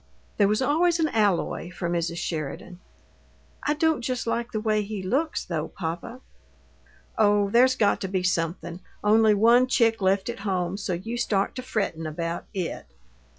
There was always an alloy for Mrs. Sheridan. "I don't just like the way he looks, though, papa." "Oh, there's got to be something! Only one chick left at home, so you start to frettin' about IT!"